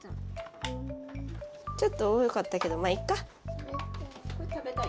ちょっと多かったけどまあいっか。